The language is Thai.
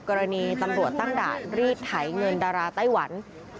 กรณีตำรวจตั้งด่านรีดไถเงินดาราไต้หวัน